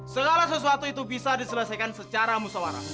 segala sesuatu itu bisa diselesaikan secara musawarah